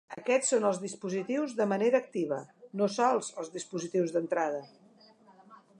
Aquests són els dispositius de manera activa, no sols els dispositius d'entrada.